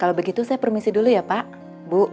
kalau begitu saya permisi dulu ya pak